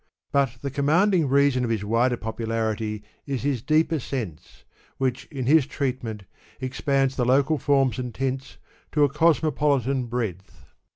But the commanding reason of his wider popularity is his deeper sense, which, in his treatment, expands the local forms and tints to a cosmopolitan breadth.